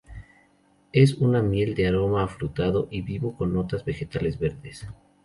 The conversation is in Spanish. Es una miel de aroma afrutado y vivo con notas vegetales verdes.